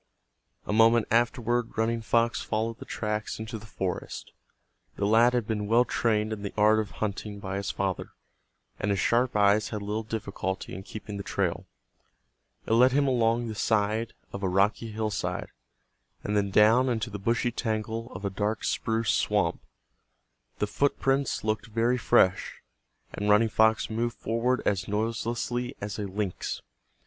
A moment afterward Running Fox followed the tracks into the forest. The lad had been well trained in the art of hunting by his father, and his sharp eyes had little difficulty in keeping the trail. It led him along the side of a rocky hillside, and then down into the bushy tangle of a dark spruce swamp. The footprints looked very fresh, and Running Fox moved forward as noiselessly as a lynx.